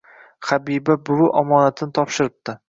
Habiba buvi omonatini topshiribdi.